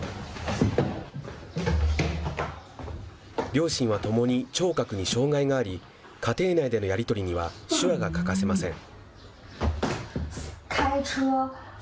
両親はともに聴覚に障害があり、家庭内でのやり取りには手話が欠かせません。